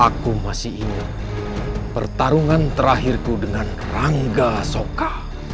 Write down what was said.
aku masih ingat pertarungan terakhirku dengan rangga soka